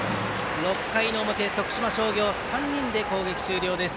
６回の表徳島商業３人で攻撃終了です。